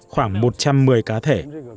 khoảng một trăm một mươi cá thể